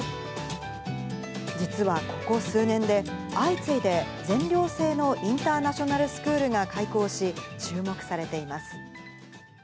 実はここ数年で、相次いで全寮制のインターナショナルスクールが開校し、注目されています。